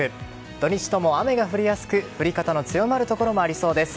土日とも雨が降りやすく降り方の強まるところもありそうです。